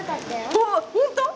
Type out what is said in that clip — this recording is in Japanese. おっ、本当？